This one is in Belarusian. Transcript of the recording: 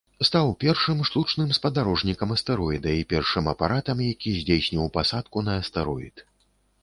Стаў першым штучным спадарожнікам астэроіда і першым апаратам, які здзейсніў пасадку на астэроід.